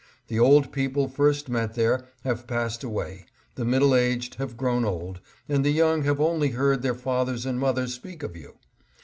The old people first met there have passed away, the middle aged have grown old, and the young have only heard their fathers and mothers speak of you.